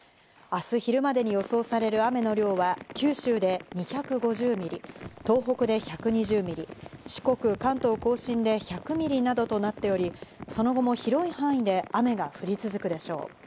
明日昼までに予想される雨の量は九州で２５０ミリ、東北で１２０ミリ、四国、関東甲信で１００ミリなどとなっており、その後も広い範囲で雨が降り続くでしょう。